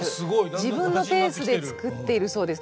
自分のペースで作っているそうです。